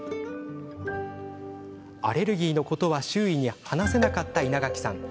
アレルギーのことは周囲に話せなかった稲垣さん。